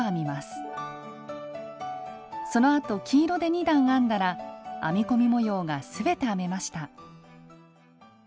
そのあと黄色で２段編んだら編み込み模様が全て編めました。